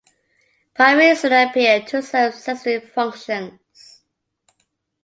Primary cilia appear to serve sensory functions.